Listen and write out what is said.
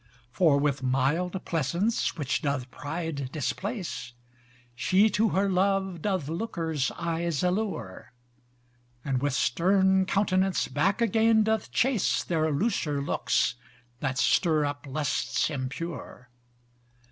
For with mild pleasance, which doth pride displace, She to her love doth lookers' eyes allure: And with stern countenance back again doth chase Their looser looks that stir up lusts impure.